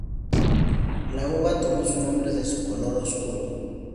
La uva toma su nombre de su color oscuro.